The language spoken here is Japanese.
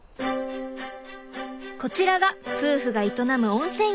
こちらが夫婦が営む温泉宿。